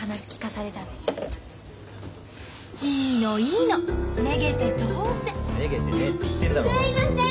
すいません